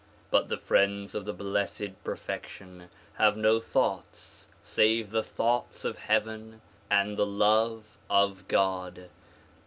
But the friends of the Blessed Perfection have no thoughts save the thoughts of heaven and the love of God.